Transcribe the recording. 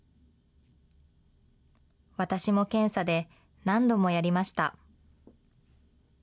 私も検査で何度もやりました。